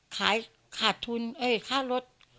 ขายขาดทุนค่ารถ